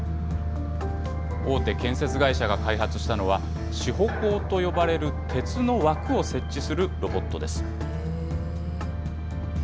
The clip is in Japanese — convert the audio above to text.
大手建設会社が開発したのは、支保工と呼ばれる鉄の枠を設置するロボットです。